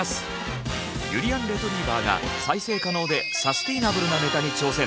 ゆりやんレトリィバァが再生可能でサステイナブルなネタに挑戦。